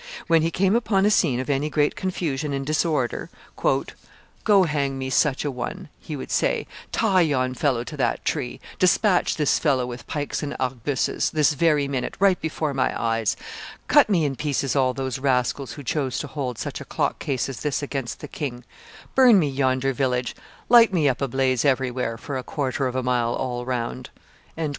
When he came upon a scene of any great confusion and disorder, "Go hang me such an one," he would say; "tie yon fellow to that tree; despatch this fellow with pikes and arquebuses, this very minute, right before my eyes; cut me in pieces all those rascals who chose to hold such a clock case as this against the king; burn me yonder village; light me up a blaze everywhere, for a quarter of a mile all round."